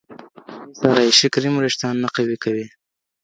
هیڅ آرایشي کریم وریښتان نه قوي کوي.